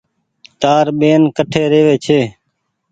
تآر ٻين ڪٺي رهي وي ڇي۔